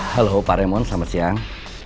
halo pak remon selamat siang